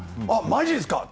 マジですか？